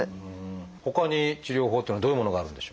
ほかに治療法っていうのはどういうものがあるんでしょう？